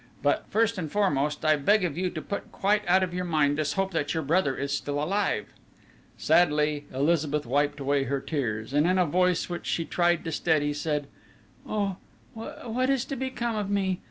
But first and foremost, I beg of you to put quite out of your mind this hope that your brother is still alive!..." Sadly Elizabeth wiped away her tears, and in a voice which she tried to steady, said: "Oh, what is to become of me!